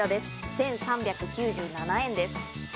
１３９７円です。